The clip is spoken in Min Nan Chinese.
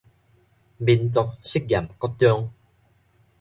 民族實驗國中